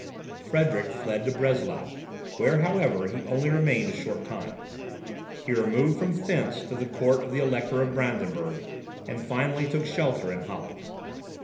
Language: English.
Frederick fled to Breslau, where, however, he only remained a short time. He removed from thence to the court of the Elector of Brandenburg, and finally took shelter in Holland.